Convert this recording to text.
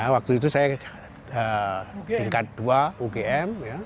waktu itu saya tingkat dua ugm